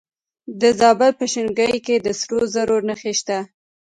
د زابل په شنکۍ کې د سرو زرو نښې شته.